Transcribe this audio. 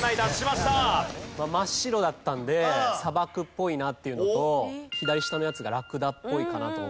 真っ白だったんで砂漠っぽいなっていうのと左下のやつがラクダっぽいかなと思ったんで。